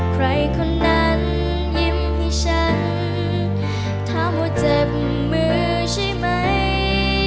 ใครคนนั้นยิ้มให้ฉันถามว่าเจ็บมือใช่ไหม